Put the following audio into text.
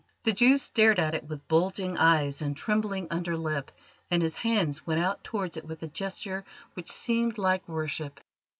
The Jew stared at it with bulging eyes and trembling under lip, and his hands went out towards it with a gesture which seemed like worship.